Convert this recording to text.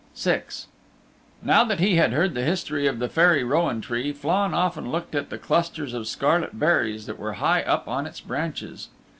VI Now that he had heard the history of the Fairy Rowan Tree, Flann often looked at the clusters of scarlet berries that were high up on its branches.